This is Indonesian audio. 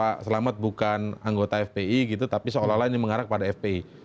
pak selamat bukan anggota fpi gitu tapi seolah olah ini mengarah kepada fpi